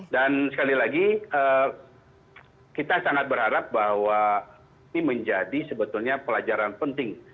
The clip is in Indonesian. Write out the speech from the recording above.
dan sekali lagi kita sangat berharap bahwa ini menjadi sebetulnya pelajaran penting